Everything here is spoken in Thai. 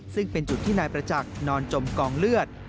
ซึ่งเป็นจุดที่นายประจักษ์นอนจมกองเลือด